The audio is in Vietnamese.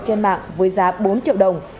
trên mạng với giá bốn triệu đồng